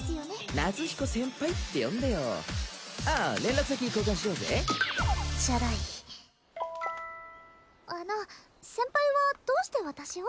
夏彦先輩って呼んでよああ連絡先交換しようぜチャラいあの先輩はどうして私を？